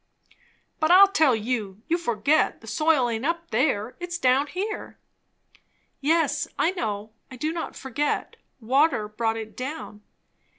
"But I'll tell you. You forget. The soil aint up there it's down here." "Yes, I know. I do not forget. Water brought it down."